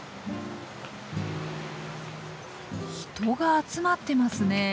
人が集まってますね。